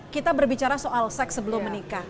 kita berbicara soal seks sebelum menikah